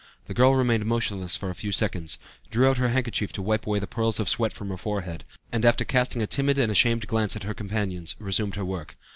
The girl remained motionless a few seconds, drew out her handkerchief to wipe away the pearls of sweat from her forehead, and, after casting a timid and ashamed glance at her companions, resumed her work.